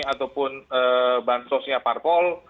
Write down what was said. ataupun bahan sosialnya parkol